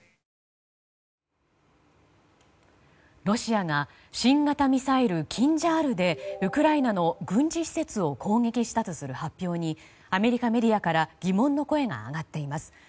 ロシアが新型ミサイル「キンジャール」でウクライナの軍事施設を攻撃したとする発表にアメリカメディアから疑問の声が上がっています。